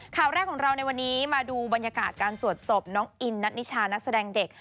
ข่าวแรกของเราในวันนี้มาดูบรรยากาศการสวดศพน้องอินนัทนิชานักแสดงเด็ก